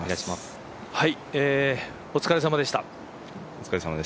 お疲れさまでした。